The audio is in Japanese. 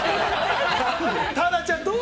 ◆タナちゃん、どう？